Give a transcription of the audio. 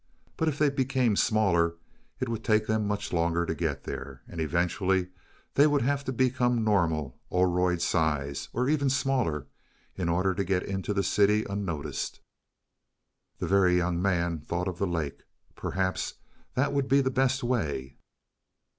But if they became smaller it would take them much longer to get there. And eventually they would have to become normal Oroid size, or even smaller, in order to get into the city unnoticed. The Very Young Man thought of the lake. Perhaps that would be the best way.